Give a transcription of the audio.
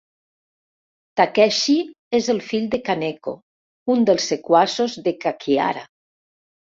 Takeshi és el fill de Kaneko, un dels sequaços de Kakihara.